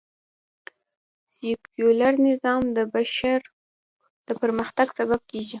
سکیولر نظام د بشر د پرمختګ سبب کېږي